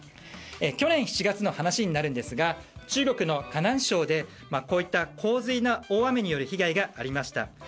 去年７月の話になるんですが中国の河南省でこういった洪水大雨による被害がありました。